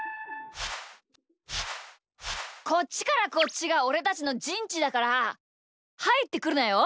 こっちからこっちがおれたちのじんちだからはいってくるなよ。